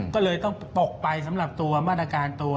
ก็เลยต้องตกไปสำหรับตัวมาตรการตัว